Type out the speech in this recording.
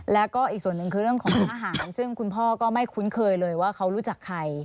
แล้วก็อีกส่วนหนึ่งคือเรื่องของอาหารซึ่งคุณพ่อก็ไม่คุ้นเคยเลยว่าเขารู้จักใคร